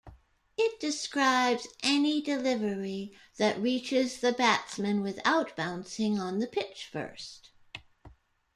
It describes any delivery that reaches the batsman without bouncing on the pitch first.